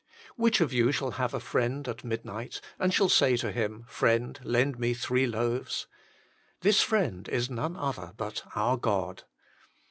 " Which of you shall have a friend at midnight, and shall say to him, Friend, lend me three loaves ?" This friend is none other but our God.